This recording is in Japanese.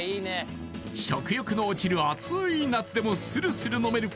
食欲の落ちる暑ーい夏でもスルスル飲める